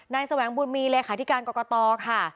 นายแสวงบุญมีเลยค่ะที่การก็กระต่อค่ะ